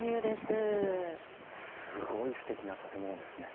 すごいすてきな建物ですね。